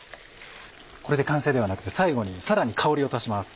これで完成ではなくて最後にさらに香りを足します。